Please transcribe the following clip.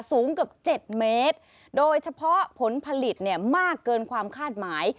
สูงเกือบ๗เมตรโดยเฉพาะผลผลิตเนี่ยมากเกินความคาดหมาย